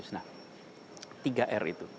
nah tiga r itu